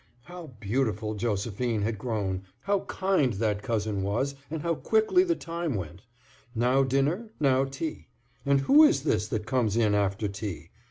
How beautiful Josephine had grown, how kind that cousin was, and how quickly the time went,—now dinner, now tea; and who is this that comes in after tea?